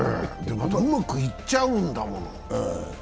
うまくいっちゃうんだもの。